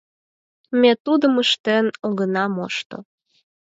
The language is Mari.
Ме тудым ыштен огына мошто.